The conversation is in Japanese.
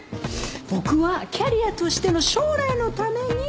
僕はキャリアとしての将来のために研修。